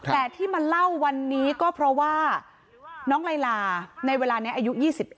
แต่ที่มาเล่าวันนี้ก็เพราะว่าน้องลายลาในเวลานี้อายุ๒๑